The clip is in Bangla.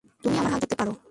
তুমি আমার হাত ধরতে পারো।